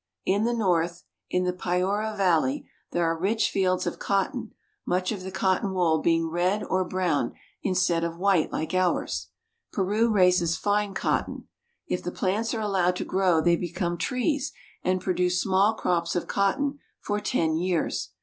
In the north, in the Piura valley, there are rich fields of cotton, much of the cotton wool being red or brown in stead of white like ours. Peru raises fine cotton. If the plants are allowed to grow they become trees and produce small crops of cotton for ten years.